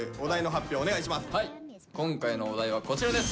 今回のお題はこちらです。